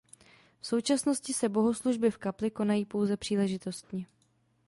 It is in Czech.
V současnosti se bohoslužby v kapli konají pouze příležitostně.